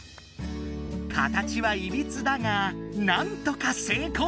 形はいびつだがなんとか成功！